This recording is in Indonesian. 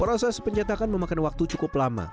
proses pencetakan memakan waktu cukup lama